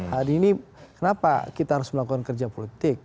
hari ini kenapa kita harus melakukan kerja politik